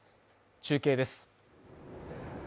中継です。